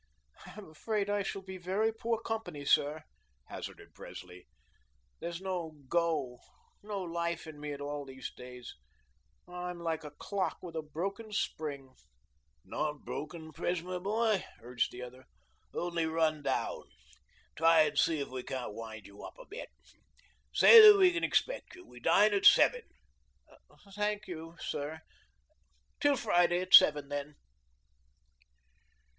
"I'm afraid I shall be very poor company, sir," hazarded Presley. "There's no 'go,' no life in me at all these days. I am like a clock with a broken spring." "Not broken, Pres, my boy;" urged the other, "only run down. Try and see if we can't wind you up a bit. Say that we can expect you. We dine at seven." "Thank you, sir. Till Friday at seven, then."